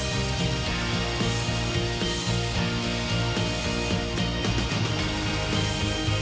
พร้อมกับภาพที่น้องยายะเจ้าหญิงของเรา